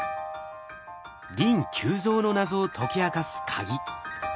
リン急増の謎を解き明かすカギ。